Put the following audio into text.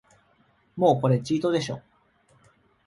もうこれチートでしょ